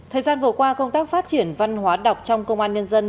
thời gian vừa qua công tác phát triển văn hóa đọc trong công an nhân dân